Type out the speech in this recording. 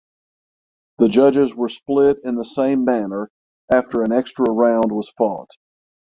The judges were split in the same manner after an extra round was fought.